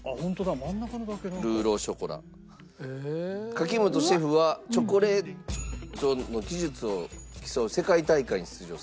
垣本シェフはチョコレートの技術を競う世界大会に出場されたと。